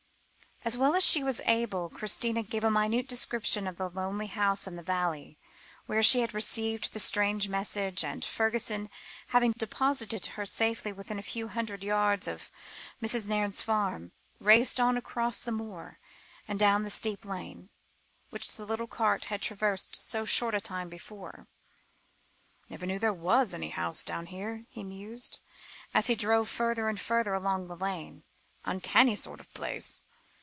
As well as she was able, Christina gave a minute description of the lonely house in the valley, where she had received the strange message, and Fergusson, having deposited her safely within a very few hundred yards of Mrs. Nairne's farm, raced on across the moor and down the steep lane, which the little cart had traversed so short a time before. "Never knew there was any house down here," he mused, as he drove further and further along the lane; "uncanny sort of place."